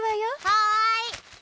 はい！